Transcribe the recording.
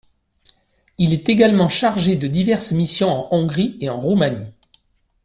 Il est également chargé de diverses missions en Hongrie et en Roumanie.